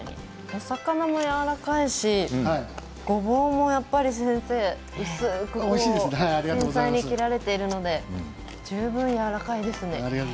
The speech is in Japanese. お魚もやわらかいしごぼうも薄く繊細に切られているので十分、やわらかいですね。